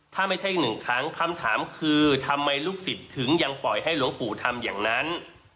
ถ้าไม่ใช่หนึ่งครั้งคำถามคือทำไมลูกศิษย์ถึงยังปล่อยให้หลวงปู่ทำอย่างนั้น